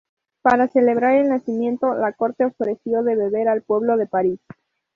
Para celebrar el nacimiento, la corte ofreció de beber al pueblo de París.